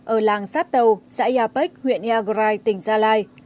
ở làng sát tâu xã yà pách huyện yagray tỉnh gia lai